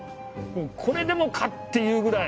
これでもかっていうくらい。